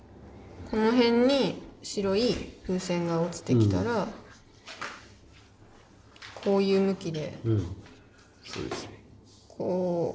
この辺に白い風船が落ちてきたらこういう向きでこういう感じ？